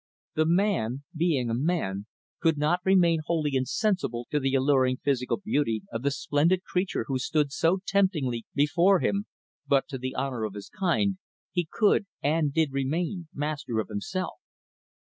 The man being a man could not remain wholly insensible to the alluring physical beauty of the splendid creature who stood so temptingly before him; but, to the honor of his kind, he could and did remain master of himself.